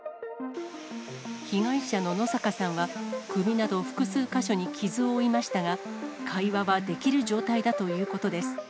被害者の野坂さんは、首など複数か所に傷を負いましたが、会話はできる状態だということです。